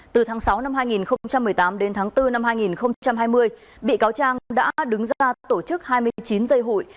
từ tháng sáu năm hai nghìn một mươi tám đến tháng bốn năm hai nghìn hai mươi bị cáo trang đã đứng ra tổ chức hai mươi chín dây hụi